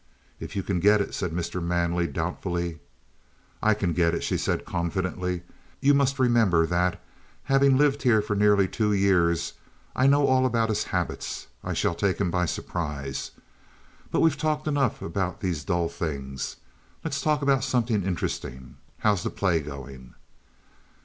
"If you can get it," said Mr. Manley doubtfully. "I can get it," she said confidently. "You must remember that, having lived here for nearly two years, I know all about his habits. I shall take him by surprise. But we've talked enough about these dull things; let's talk about something interesting. How's the play going?"